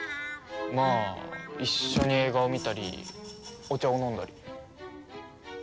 まあ一緒に映画を見たりお茶を飲んだり。